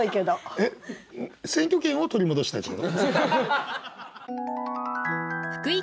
えっ選挙権を取り戻したいってこと？